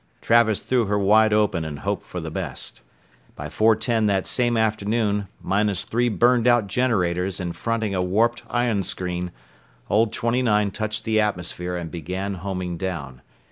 Travis threw her wide open and hoped for the best. By 4:10 that same afternoon, minus three burned out generators and fronting a warped ion screen, old 29 touched the atmosphere and began homing down.